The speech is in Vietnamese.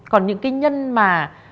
còn những cái nhân mà